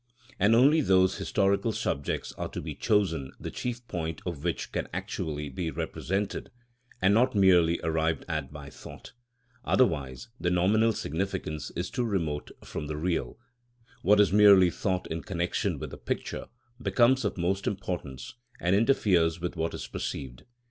And only those historical subjects are to be chosen the chief point of which can actually be represented, and not merely arrived at by thought, otherwise the nominal significance is too remote from the real; what is merely thought in connection with the picture becomes of most importance, and interferes with what is perceived.